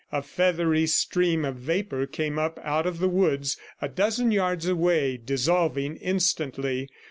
A feathery stream of vapor came up out of the woods a dozen yards away, dissolving instantly.